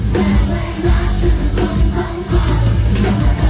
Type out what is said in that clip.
ก่อนนอนอย่าลืมแตกฝันกันนะโอเคมั้ย